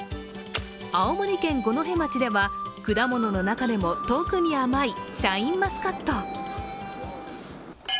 青森県五戸町では果物の中でも特に甘いシャインマスカット。